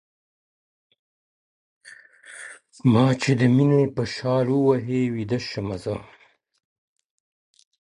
• ما چي د ميني په شال ووهي ويده سمه زه.